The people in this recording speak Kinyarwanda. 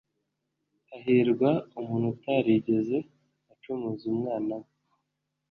Hahirwa umuntu utarigeze acumuza umunwa we,